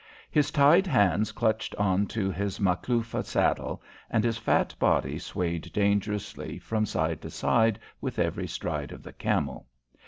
His tied hands clutched on to his Makloofa saddle, and his fat body swayed dangerously from side to side with every stride of the camel.